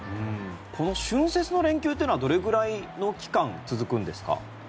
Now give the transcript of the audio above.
この春節の連休というのはどれぐらいの期間続くんですか。